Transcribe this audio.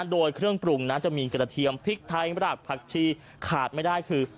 โดยเครื่องปรุงนะจะมีกระเทียมพริกไทยรากผักชีขาดไม่ได้คือ